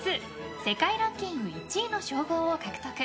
世界ランキング１位の称号を獲得。